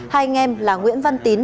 hai anh em là nguyễn văn tín